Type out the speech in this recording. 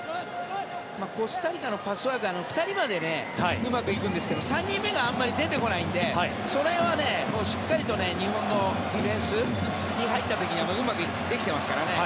コスタリカのパスワーク２人までうまくいくんですが３人目があまり出てこないのでその辺は、しっかりと日本がディフェンスに入った時にはうまくできていますからね。